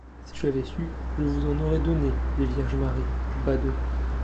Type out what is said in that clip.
Si j’avais su, je vous en aurais donné, des Vierges Marie, badauds!